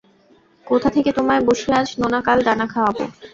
কোথা থেকে তোমায় বসিয়ে আজ নোনা কাল দানা খাওয়াব?